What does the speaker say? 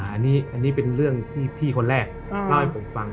อันนี้เป็นเรื่องที่พี่คนแรกเล่าให้ผมฟัง